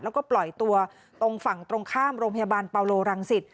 แล้วก็ปล่อยตัวตรงฝั่งตรงข้ามโรงพยาบาลปาโลรังสิต